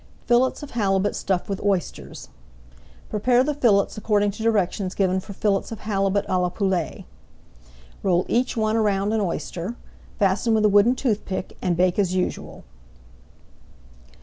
FILLETS OF HALIBUT STUFFED WITH OYSTERS Prepare the fillets according to directions given for Fillets of Halibut à la Poulette. Roll each one around an oyster, fasten with a wooden toothpick, and bake as usual.